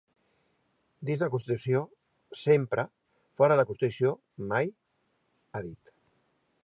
Dins la constitució, sempre; fora de la constitució, mai, ha dit.